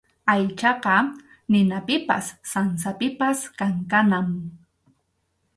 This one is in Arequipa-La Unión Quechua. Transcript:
Aychaqa ninapipas sansapipas kankanam.